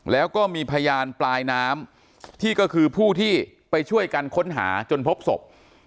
แล้วก็มีพยานปลายน้ำที่ก็คือผู้ที่ไปช่วยกันค้นหาจนพบศพ